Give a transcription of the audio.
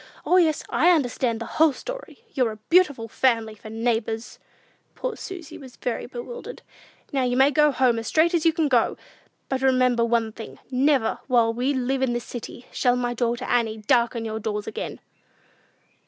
O, yes, I understand the whole story! You're a beautiful family for neighbors!" Poor Susy was fairly bewildered. "Now you may go home as straight as you can go! But remember one thing: never, while we live in this city, shall my daughter Annie darken your doors again!"